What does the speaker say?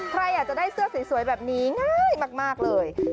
ใครอยากจะได้เสื้อสวยแบบนี้ง่ายมากเลย